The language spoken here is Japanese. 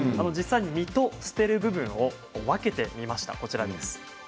実と捨てる部分を分けてみました。